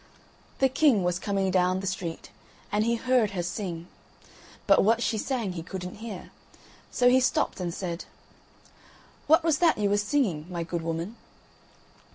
The king was coming down the street, and he heard her sing, but what she sang he couldn't hear, so he stopped and said: "What was that you were singing, my good woman?"